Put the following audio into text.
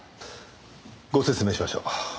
ご説明しましょう。